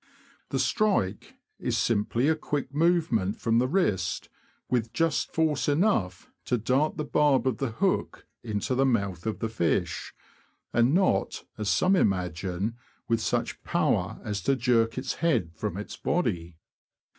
The strike is simply a quick movement from the wrist, with just force enough to dart the barb of the hook into the mouth of the fish, and not, as some imagine, with such power as to jerk its head from its body.